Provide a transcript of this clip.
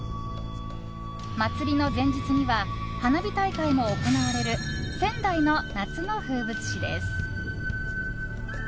祭りの前日には花火大会も行われる仙台の夏の風物詩です。